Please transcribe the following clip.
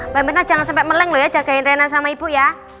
mbak mirna jangan sampai meleng loh ya jagain rena sama ibu ya